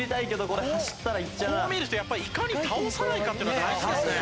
こう見るとやっぱりいかに倒さないかっていうのが大事ですね。